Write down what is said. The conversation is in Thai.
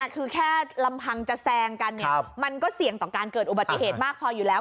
คือแค่ลำพังจะแซงกันมันก็เสี่ยงต่อการเกิดอุบัติเหตุมากพออยู่แล้ว